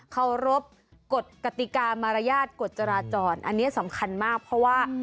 เคารพกฎกติกามารยาทกฎจราจรอันนี้สำคัญมากเพราะว่า